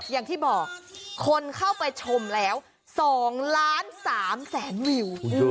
อย่างที่บอกคนเข้าไปชมแล้ว๒ล้าน๓แสนวิว